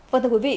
vâng thưa quý vị